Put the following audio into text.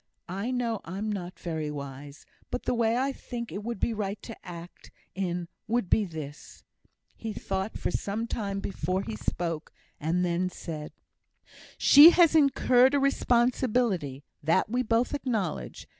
I know I'm not very wise; but the way I think it would be right to act in, would be this " He thought for some time before he spoke, and then said: "She has incurred a responsibility that we both acknowledge.